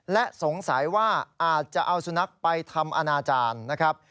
และสงสัยว่าอาจจะเอาสุนัขไปทำอนาจารย์นะครับ